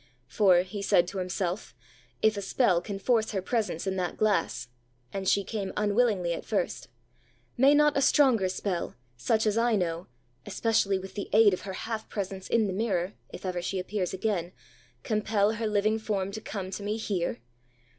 ãFor,ã said he to himself, ãif a spell can force her presence in that glass (and she came unwillingly at first), may not a stronger spell, such as I know, especially with the aid of her half presence in the mirror, if ever she appears again, compel her living form to come to me here?